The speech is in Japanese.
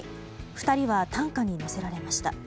２人は担架に乗せられました。